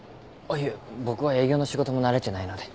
いえ僕は営業の仕事も慣れてないので。